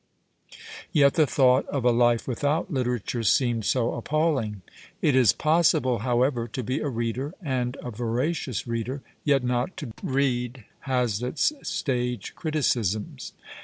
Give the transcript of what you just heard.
Yet the thought of a life without literature seemed so ajjpalling ! It is possible, however, to be a reader, and a voracious reader, yet not to read Hazlitt's stage criticisms.